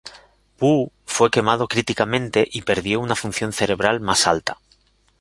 Woo fue quemado críticamente y perdió una función cerebral más alta.